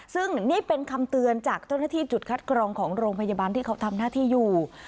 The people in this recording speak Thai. ซึ่งนี่เป็นคำเตือนจากเจ้าหน้าที่จุดคัดกรองของโรงพยาบาลที่เขาทำหน้าที่อยู่